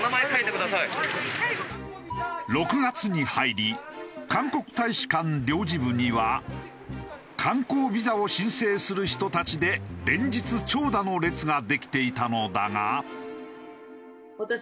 ６月に入り韓国大使館領事部には観光ビザを申請する人たちで連日長蛇の列ができていたのだが。